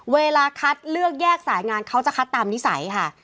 เวลาคัดเลือกแยกสายงานเขาจะคัดตามนิสัยค่ะ